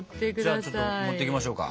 じゃあちょっと盛っていきましょうか。